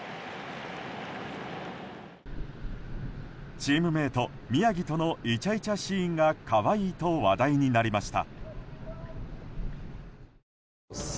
チームメート、宮城とのイチャイチャシーンが可愛いと話題になりました。